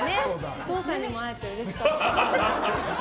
お父さんにも会えてうれしかったです。